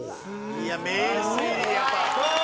いや名推理やっぱ。